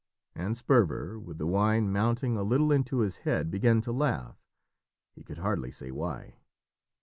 And Sperver, with the wine mounting a little into his head, began to laugh, he could hardly say why.